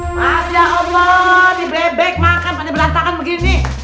masya allah di bebek makan pandai berantakan begini